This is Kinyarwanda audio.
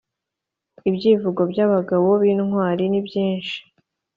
Ibyivugo by'abagabo b'intwali nibyinshi